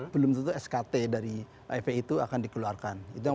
belum tentu skt dari fpi itu akan dikeluarkan